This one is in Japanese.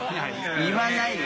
言わないよ。